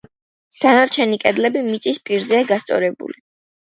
დანარჩენი კედლები მიწის პირზეა გასწორებული.